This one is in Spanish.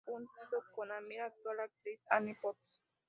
Junto con Hamill actúa la actriz Annie Potts.